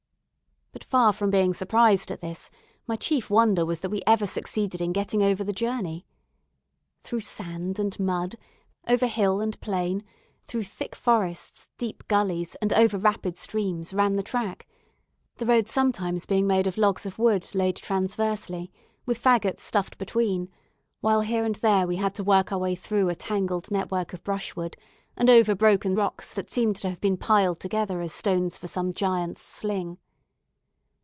But far from being surprised at this, my chief wonder was that we ever succeeded in getting over the journey. Through sand and mud, over hill and plain through thick forests, deep gulleys, and over rapid streams, ran the track; the road sometimes being made of logs of wood laid transversely, with faggots stuffed between; while here and there we had to work our way through a tangled network of brushwood, and over broken rocks that seemed to have been piled together as stones for some giant's sling.